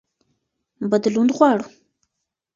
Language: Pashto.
بدلون غواړو.